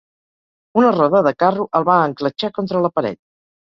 Una roda de carro el va encletxar contra la paret.